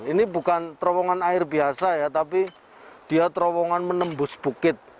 ini bukan terowongan air biasa ya tapi dia terowongan menembus bukit